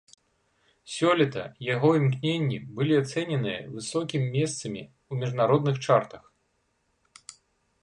Сёлета яго імкненні былі ацэненыя высокімі месцамі ў міжнародных чартах.